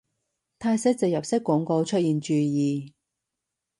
泰式植入式廣告出現注意